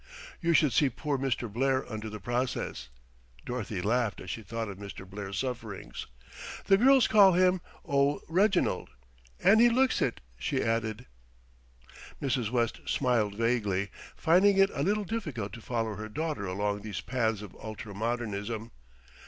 You should see poor Mr. Blair under the process." Dorothy laughed as she thought of Mr. Blair's sufferings. "The girls call him 'Oh, Reginald!' and he looks it," she added. Mrs. West smiled vaguely, finding it a little difficult to follow her daughter along these paths of ultra modernism.